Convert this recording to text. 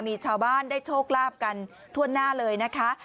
มีชาวบ้านได้โชคลาภกันทั่วหน้าเลยนะคะ